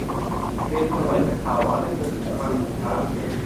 เมนูอร่อยทั้งคาว หวาน และเครื่องดื่ม มากคุณค่า